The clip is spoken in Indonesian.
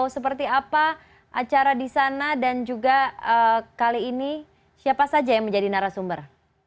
seperti apa acara di sana dan juga kali ini siapa saja yang menjadi narasumber